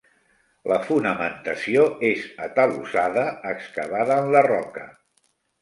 La fonamentació és atalussada, excavada en la roca.